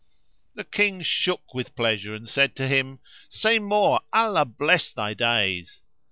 The King shook with pleasure [FN#486] and said to him, "Say more: Allah bless thy days!"